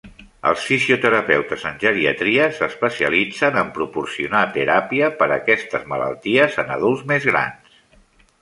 Els fisioterapeutes en geriatria s'especialitzen en proporcionar teràpia per aquestes malalties en adults més grans.